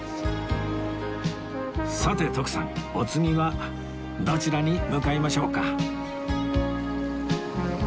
さて徳さんお次はどちらに向かいましょうか？